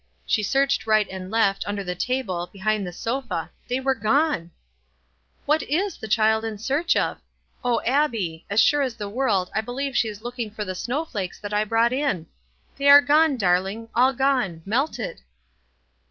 She searched right and left, under the table, behind the sofa — they were gone ! "What is the child in search of? O Abbie, as sure as the world I believe she is looking for the snow flakes that I brought in ! They are gone, darling — all gone — melted."